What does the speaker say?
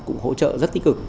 cũng hỗ trợ rất tích cực